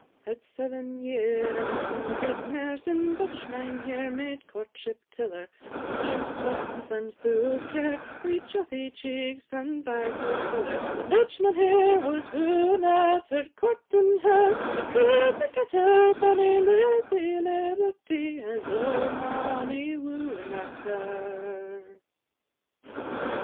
V. It 's seven year, and some guid mair, Syn Dutch Mynheer made courtship till her, A merchant bluff and fu' o' care, Wi' chuffy cheeks, and bags o' siller; So Dutch Mynheer was wooing at her, Courting her, but cudna get her; Bonny Lizzy Liberty has ow'r mony wooing at her.